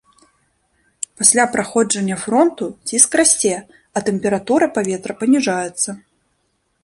Пасля праходжання фронту ціск расце, а тэмпература паветра паніжаецца.